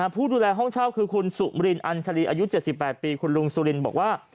ผู้ดูแลห้องเช่าคือคุณสุมรินอัญชาลีอายุ๗๘ปีคุณลุงสุรินบอกว่า